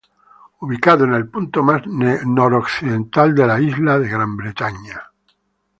Ubicado en el punto más noroccidental de la isla de Gran Bretaña.